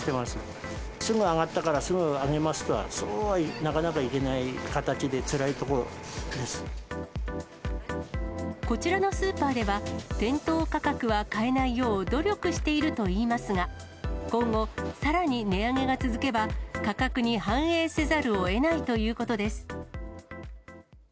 すぐ上がったからすぐ上げますとは、そうはなかなかいけない形で、こちらのスーパーでは、店頭価格は変えないよう努力しているといいますが、今後、さらに値上げが続けば、価格に反映せざるをえないということです。